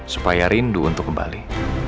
supaya rindu untuk kembali